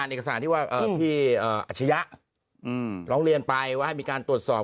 เอกสารที่ว่าพี่อัชยะร้องเรียนไปว่าให้มีการตรวจสอบ